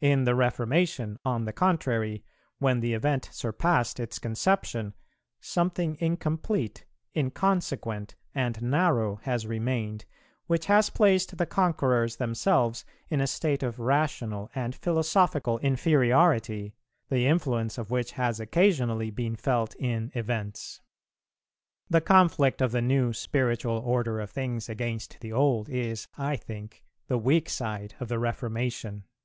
In the Reformation, on the contrary, when the event surpassed its conception, something incomplete, inconsequent, and narrow has remained, which has placed the conquerors themselves in a state of rational and philosophical inferiority, the influence of which has occasionally been felt in events. The conflict of the new spiritual order of things against the old, is, I think, the weak side of the Reformation."